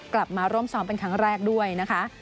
กลับมาร่วมซ้อมเป็นครั้งแรกด้วยนะคะ